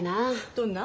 どんな？